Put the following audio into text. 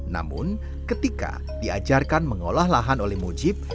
namun ketika diajarkan mengolah lahan oleh mujib